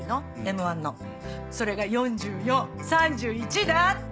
『Ｍ−１』のそれが「４４」「３１」だって。